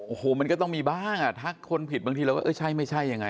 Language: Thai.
โอ้โฮมันก็ต้องมีบ้างทักคนผิดบางทีแล้วว่าเอ้ยใช่ไม่ใช่ยังไง